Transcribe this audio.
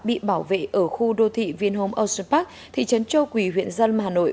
bị bảo vệ ở khu đô thị viên hôm âu xuân bắc thị trấn châu quỳ huyện dân hà nội